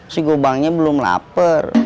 si gobangnya belum lapar